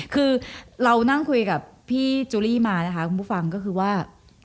คือเรานั่งคุยกับพี่จูรี่มานะคะคุณผู้ฟังก็คือว่า